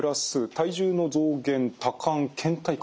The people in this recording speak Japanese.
体重の増減・多汗・けん怠感。